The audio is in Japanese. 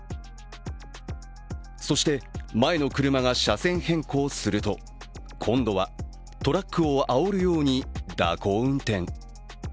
そして前の車が車線変更すると、今度はトラックをあおるように蛇行運転。